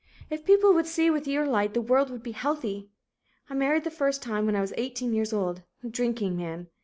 If people would see with your light, the world would be healthy. I married the first time when I was eighteen years old, a drinking man.